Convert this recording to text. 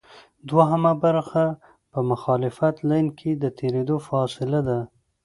دوهمه برخه په مخالف لین کې د تېرېدو فاصله ده